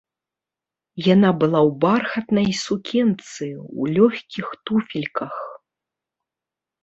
Яна была ў бархатнай сукенцы, у лёгкіх туфельках.